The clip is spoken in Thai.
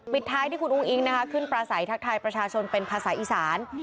ท้ายที่คุณอุ้งอิงนะคะขึ้นประสัยทักทายประชาชนเป็นภาษาอีสาน